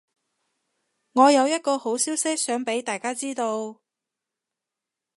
我有一個好消息想畀大家知道